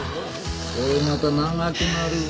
これまた長くなるぞ！